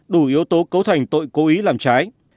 đủ yếu tố cấu thành tội cố ý làm trái